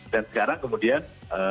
dan sekarang kemudian